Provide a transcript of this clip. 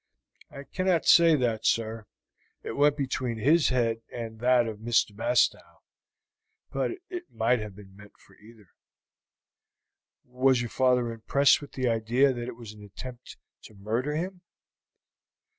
"I cannot say that, sir, it went between his head and that of Mr. Bastow, but it might have been meant for either." "Was your father impressed with the idea that it was an attempt to murder him?"